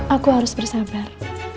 aku harus bersabar